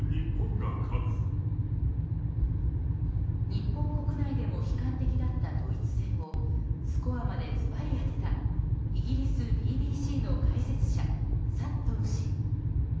日本国内でも悲観的だったドイツ戦をスコアまでズバリ当てたイギリスＢＢＣの解説者サットン氏。